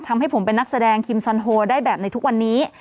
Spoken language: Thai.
ทำให้ผมเป็นนักแสดงคิมซอนโฮได้แบบในทุกวันนี้